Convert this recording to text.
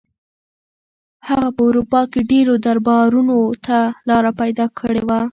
هغه په اروپا کې ډېرو دربارونو ته لاره پیدا کړې وه.